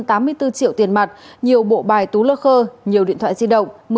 tám mươi bốn triệu tiền mặt nhiều bộ bài tú lơ khơ nhiều điện thoại di động